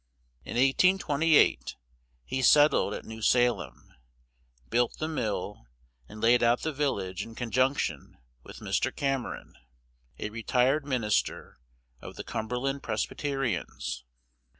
In 1828 he settled at New Salem, built the mill and laid out the village in conjunction with Mr. Cameron, a retired minister of the Cumberland Presbyterians.